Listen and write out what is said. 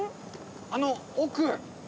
あの奥。